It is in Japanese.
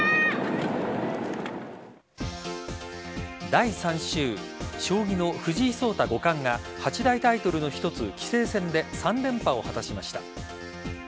第３週将棋の藤井聡太五冠が８大タイトルの一つ棋聖戦で３連覇を果たしました。